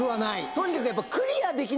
とにかく。